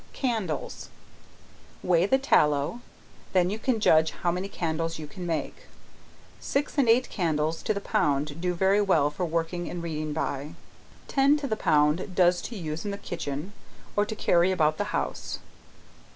Candles. Weigh the tallow, then you can judge how many candles you can make, six and eight candles to the pound do very well for working and reading by, ten to the pound does to use in the kitchen or to carry about the house.